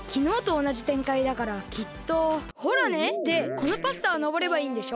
このパスタをのぼればいいんでしょ？